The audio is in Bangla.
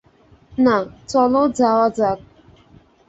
না, চলো যাওয়া যাক।